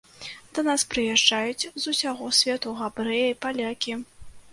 Да нас прыязджаюць з усяго свету габрэі, палякі.